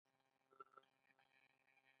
راشه کنه د شهرک طلایې طرف ته.